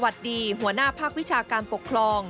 สวัสดีหัวหน้าภาควิชาการปกครอง